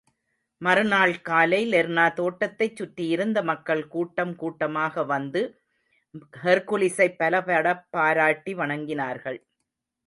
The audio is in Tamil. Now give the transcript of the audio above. மறுநாள் காலை லெர்னா தோட்டத்தைச் சுற்றியிருந்த மக்கள் கூட்டம் கூட்டமாக வந்து ஹெர்க்குலிஸைப் பலபடப் பாராட்டி வணங்கினார்கள்.